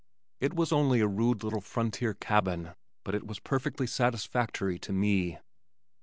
It was only a rude little frontier cabin, but it was perfectly satisfactory to me.